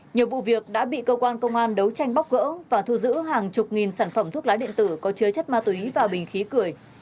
nhiều vụ việc đã bị cơ quan công an đấu tranh bóc gỡ và thu giữ hàng chục nghìn sản phẩm thuốc lá điện tử có chứa chất ma túy và bình khí cười